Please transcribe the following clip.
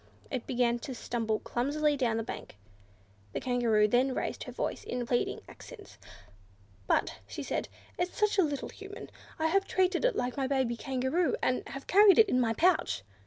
It began to stumble clumsily down the bank. The Kangaroo then raised her voice in pleading accents. "But," she said, "it's such a little Human! I have treated it like my baby Kangaroo, and have carried it in my pouch."